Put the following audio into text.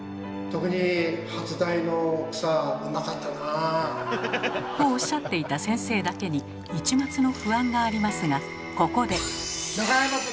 アッハッハッハッ！とおっしゃっていた先生だけに一抹の不安がありますがここで。